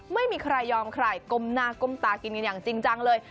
ไม่มีใครยอมใครก้มหน้าก้มตากินกันอย่างจริงจังเลย